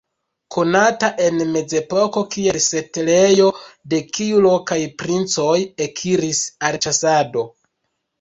Konata en mezepoko kiel setlejo, de kiu lokaj princoj ekiris al ĉasado.